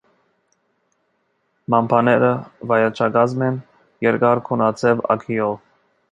Մամբաները վայելչակազմ են՝ երկար կոնաձև ագիով։